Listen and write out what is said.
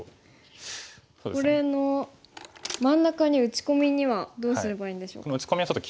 これの真ん中に打ち込みにはどうすればいいんでしょうか。